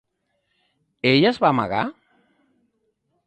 Ell es va amagar?